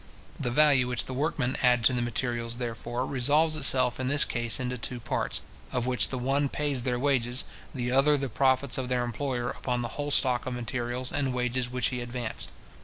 The value which the workmen add to the materials, therefore, resolves itself in this case into two parts, of which the one pays their wages, the other the profits of their employer upon the whole stock of materials and wages which he advanced.